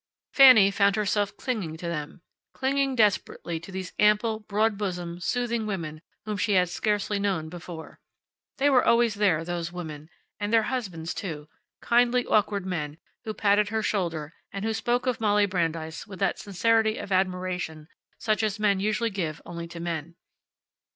Fanny found herself clinging to them clinging desperately to these ample, broad bosomed, soothing women whom she had scarcely known before. They were always there, those women, and their husbands too; kindly, awkward men, who patted her shoulder, and who spoke of Molly Brandeis with that sincerity of admiration such as men usually give only to men.